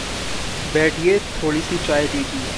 बैठिए, थोड़ी सी चाय लीजिए!